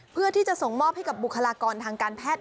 เพื่อที่จะส่งมอบให้กับบุคลากรทางการแพทย์